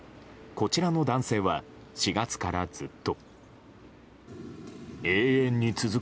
こちらの男性は、４月からずっと。